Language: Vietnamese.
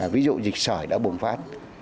ví dụ dịch sỏi đã bùng phát